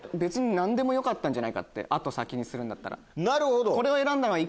何でもよかったんじゃないかって後先にするんだったら。